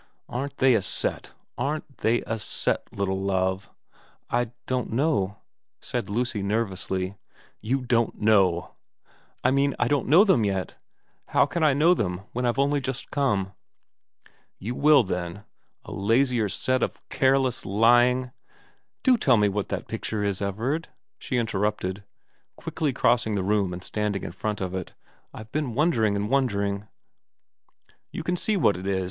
Aren't they a set ? Aren't they a set, little Love ?'' I don't know,' said Lucy nervously. * You don't know !'' I mean, I don't know them yet. How can I know them when I've only just come ?'' You soon will, then. A lazier set of careless, lying '' Do tell me what that picture is, Everard,' she interrupted, quickly crossing the room and standing in front of it. ' I've been wondering and wondering.' ' You can see what it is.